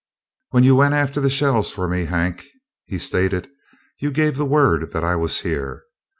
"When you went after the shells for me, Hank," he stated, "you gave the word that I was here.